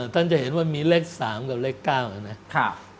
ท่านจะเห็นว่ามีแรก๓และแรก๙